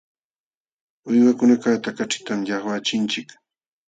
Uywakunakaqta kaćhitam llaqwachinchik.